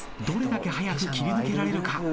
どれだけ早く切り抜けられるか？